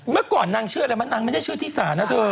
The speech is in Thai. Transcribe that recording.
เมื่อก่อนนางชื่ออะไรมั้นางไม่ได้ชื่อที่สานะเธอ